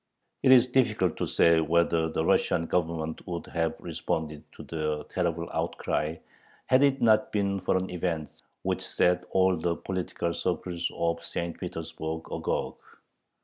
It is difficult to say whether the Russian Government would have responded to the terrible outcry, had it not been for an event which set all the political circles of St. Petersburg agog.